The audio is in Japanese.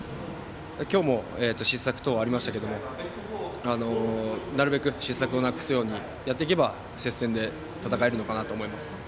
今日も失策等がありましたけどなるべく失策をなくすようにやっていけば接戦で戦えるのかなと思います。